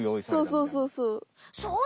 そうそうそうそう。